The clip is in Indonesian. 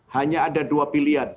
hanya ada dua pilihan